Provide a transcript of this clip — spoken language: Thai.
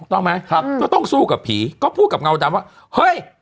ต้องไหมครับก็ต้องสู้กับผีก็พูดกับเงาดำว่าเฮ้ย